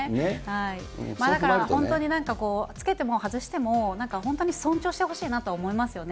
だから本当になんかこう、着けても外しても本当に尊重してほしいなと思いますよね。